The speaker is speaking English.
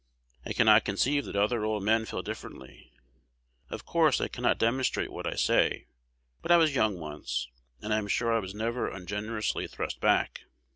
I cannot conceive that other old men feel differently. Of course, I cannot demonstrate what I say; but I was young once, and I am sure I was never ungenerously thrust back.